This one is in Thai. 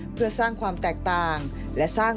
เพื่อสร้างความแตกต่าง